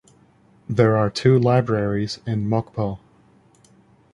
There are two libraries in Mokpo.